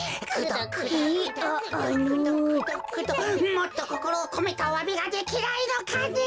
もっとこころをこめたおわびができないのかね？